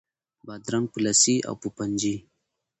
بادرنګ په لسي او په پنجي